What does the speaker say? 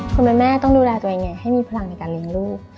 คุณแม่ต้องดูแลตัวเองไงให้มีพลังในการเลี้ยงลูก